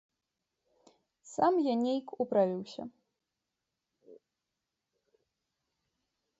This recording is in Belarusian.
Сам я нейк управіўся.